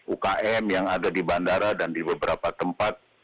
ukm yang ada di bandara dan di beberapa tempat